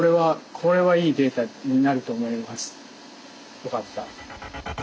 良かった。